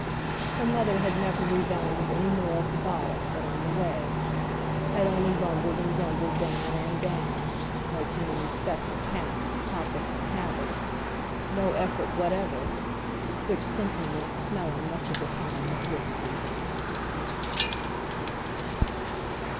Her mother had never rebounded any more at the bottom than on the way; had only rumbled and grumbled down and down, making, in respect of caps, topics and "habits," no effort whatever—which simply meant smelling much of the time of whiskey.